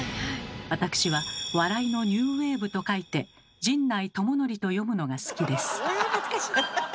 私は「笑いのニューウエーブ」と書いて「陣内智則」と読むのが好きです。